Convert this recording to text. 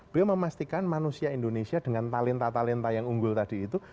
beliau memastikan manusia indonesia dengan talenta talenta yang unggul tadi itu